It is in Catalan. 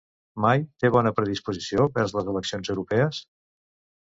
May té bona predisposició vers les eleccions europees?